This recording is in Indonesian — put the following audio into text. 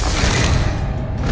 gak ada apa apa